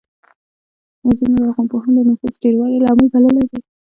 ځینو لرغونپوهانو د نفوسو ډېروالی لامل بللی دی